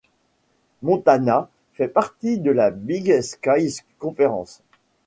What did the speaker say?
Montana fait partie de la Big Sky Conference.